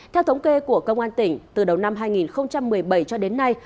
theo thống kê của công an tỉnh từ đầu năm hai nghìn một mươi bảy cho đến nay